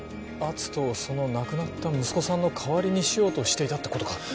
篤斗をその亡くなった息子さんの代わりにしようとしていたってことか？